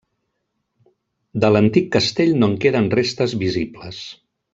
De l'antic castell no en queden restes visibles.